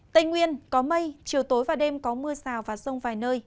tây nguyên có mây chiều tối và đêm có mưa rào và rông vài nơi